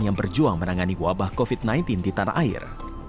yang berjuang menangani wabah covid sembilan belas di tanah air